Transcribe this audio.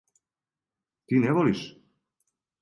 Ти не волиш?